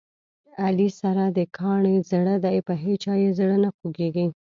علي سره د کاڼي زړه دی، په هیچا یې زړه نه خوګېږي.